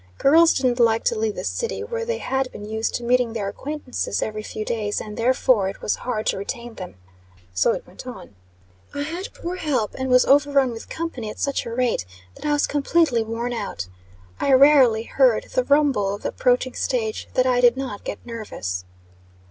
Girls didn't like to leave the city, where they had been used to meeting their acquaintances every few days; and, therefore, it was hard to retain them. So it went on. I had poor help, and was overrun with company, at such a rate, that I was completely worn out. I rarely heard the rumble of the approaching stage that I did not get nervous.